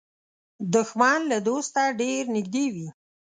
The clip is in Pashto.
دښمن له دوسته ډېر نږدې وي